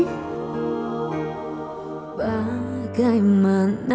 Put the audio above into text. tapi mereka juga sangat menyayangi tante ayu dan dina